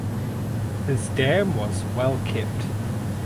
His dam was Well Kept.